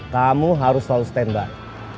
kamu harus selalu stand by